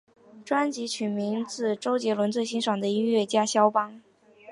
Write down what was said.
专辑取名自周杰伦最欣赏的音乐家萧邦。